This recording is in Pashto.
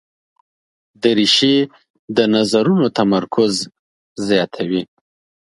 دریشي د نظرونو تمرکز زیاتوي.